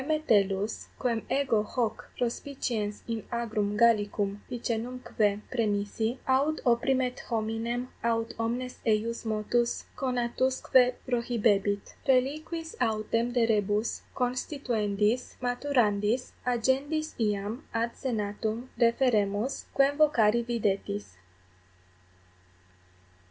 Metellus, quem ego hoc prospiciens in agrum Gallicum Picenumque praemisi, aut opprimet hominem aut omnes eius motus conatusque prohibebit. Reliquis autem de rebus constituendis, maturandis, agendis iam ad senatum referemus, quem vocari videtis.